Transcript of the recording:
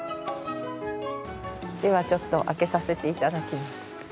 ではちょっと開けさせて頂きます。